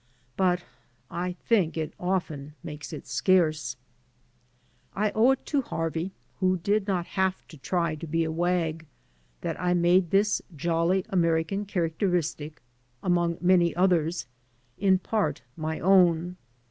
But I think it often makes it scarce. I owe it to Harvey (who did not have to try to be a wag) that I made this jolly American characteristic, among many others, in part my own.